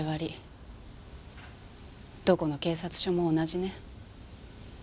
どこの警察署も同じね。